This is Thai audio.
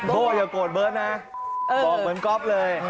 พี่ป๊อบอย่าโกรธเบิ๊ลด์นะบอกเหมือนป๊อบเลย